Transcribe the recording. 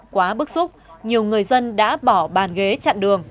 quá bức xúc nhiều người dân đã bỏ bàn ghế chặn đường